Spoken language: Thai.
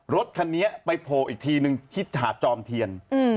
รถคันนี้ไปโผล่อีกทีนึงที่หาดจอมเทียน